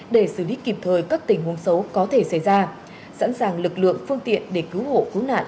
để xử lý kịp thời các tình huống xấu có thể xảy ra sẵn sàng lực lượng phương tiện để cứu hộ cứu nạn